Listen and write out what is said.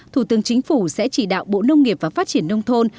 thủ tướng chính phủ sẽ chỉ đạo bộ nông nghiệp và phát triển nông thôn